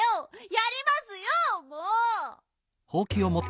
やりますよもう！